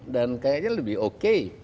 dan kayaknya lebih oke